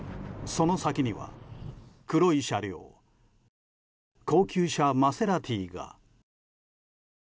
その先には黒い車両高級車マセラティが。